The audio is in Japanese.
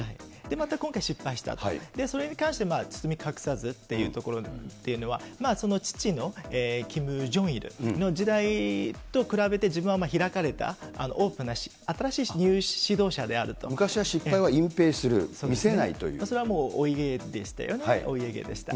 また、今回失敗したと、それに関して包み隠さずっていうところは、父のキム・ジョンイルの時代と比べて、自分は開かれたオープンな、新しいニュー指導者であると。昔は失敗は隠ぺいする、それはもうお家芸でしたよね、お家芸でした。